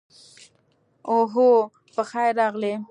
اوهو، پخیر راغلې.